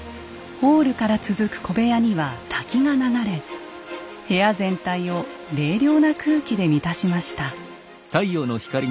ホールから続く小部屋には滝が流れ部屋全体を冷涼な空気で満たしました。